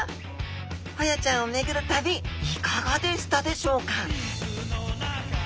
ホヤちゃんを巡る旅いかがでしたでしょうか？